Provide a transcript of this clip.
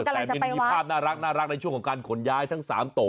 อ๋อกำลังจะไปวัดแต่มีภาพน่ารักในช่วงของการขนย้ายทั้ง๓ตัว